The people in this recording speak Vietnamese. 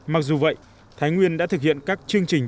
mặc dù vậy thái nguyên đã thực hiện các chương trình